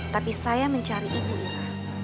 tapi saya mencari ibu ira